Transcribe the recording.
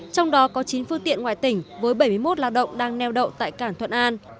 trong đó có chín phương tiện ngoài tỉnh với bảy mươi một lao động đang neo đậu tại cảng thuận an